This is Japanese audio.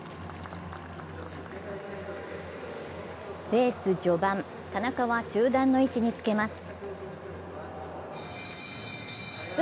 レース序盤、田中は中団の位置につけます。